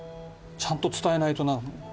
ちゃんと伝えないとな。